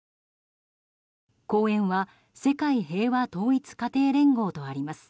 後援は、世界平和統一家庭連合とあります。